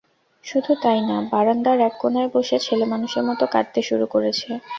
শুধু তাই না-বারান্দার এক কোণায় বসে ছেলেমানুষের মতো কাঁদতে শুরু করেছে।